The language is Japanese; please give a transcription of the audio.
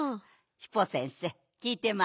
ヒポ先生きいてます？